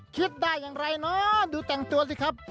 คิดได้อย่างไรเนอะดูแต่งตัวสิครับ